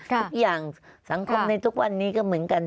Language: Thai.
ทุกอย่างสังคมในทุกวันนี้ก็เหมือนกัน